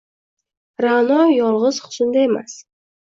Ra’no yolg’iz husnda emas